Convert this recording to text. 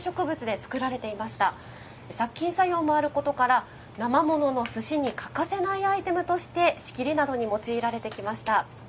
殺菌作用もあることから生ものの寿司に欠かせないアイテムとして仕切りなどに用いられてきました。